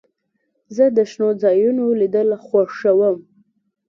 زه د شنو ځایونو لیدل خوښوم.